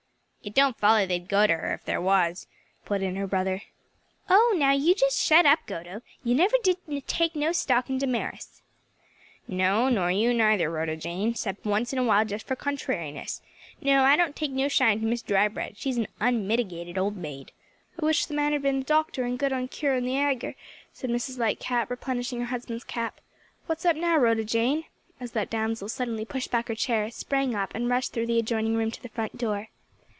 "It don't foller they'd go to her if there was," put in her brother. "Oh now you just shut up, Goto! you never did take no stock in Damaris." "No, nor you neither, Rhoda Jane; 'cept once in a while just fur contrariness. No, I don't take no shine to Miss Drybread; she's a unmitigated old maid." "I wish the man had been a doctor and good on curin' the agur," said Mrs. Lightcap, replenishing her husband's cap. "What's up now, Rhoda Jane?" as that damsel suddenly pushed back her chair, sprang up, and rushed through the adjoining room to the front door.